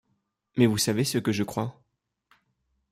Mais vous savez ce que je crois ?